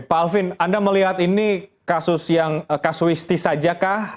pak alvin anda melihat ini kasus yang kasuistis saja kah